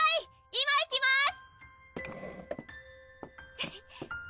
今行きます！